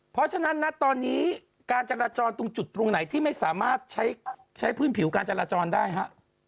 เพราะฉะนั้นนะตอนนี้การจราจรตรงจุดตรงไหนที่ไม่สามารถใช้พื้นผิวการจราจรได้ฮะ